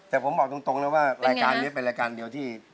แต่ผมบอกตรงนะว่ารายการนี้เป็นรายการเดียวที่